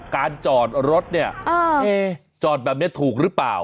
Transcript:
การจอดรถเนี่ยจอดแบบนี้ถูกหรือเปล่า